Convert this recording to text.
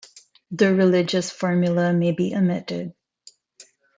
The religious formula may be omitted.